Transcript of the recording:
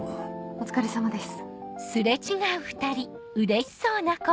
お疲れさまです。